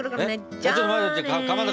ちょっと待って待って！